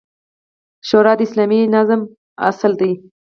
شورا د اسلامي نظام اصل دی